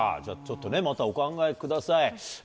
じゃあちょっとね、またお考えください。